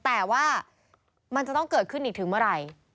แต่ว่ามันจะต้องเกิดขึ้นอีกถึงเมื่อไหร่